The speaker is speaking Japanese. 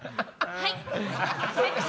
「はい！」